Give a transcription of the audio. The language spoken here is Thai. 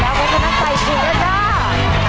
ใช่สิสิสิ